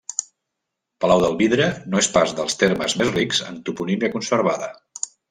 Palau del Vidre no és pas dels termes més rics en toponímia conservada.